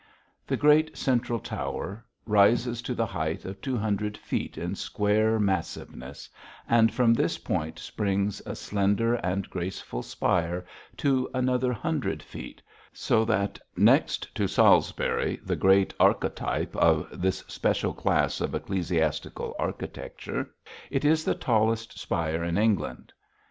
The great central tower rises to the height of two hundred feet in square massiveness, and from this point springs a slender and graceful spire to another hundred feet, so that next to Salisbury, the great archetype of this special class of ecclesiastical architecture, it is the tallest spire in England.